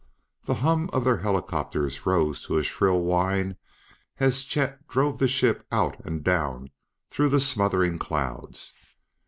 The hum of their helicopters rose to a shrill whine as Chet drove the ship out and down through the smothering clouds.